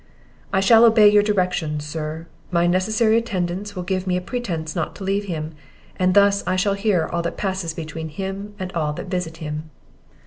"I shall obey your directions, sir; my necessary attendance will give me a pretence not to leave him, and thus I shall hear all that passes between him and all that visit him."